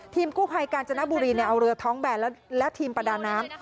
กู้ภัยกาญจนบุรีเอาเรือท้องแบนและทีมประดาน้ำ